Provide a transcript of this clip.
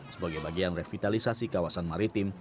sebagai bagian revitalisasi kawasan maritim